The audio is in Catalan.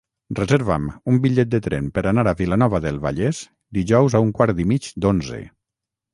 Reserva'm un bitllet de tren per anar a Vilanova del Vallès dijous a un quart i mig d'onze.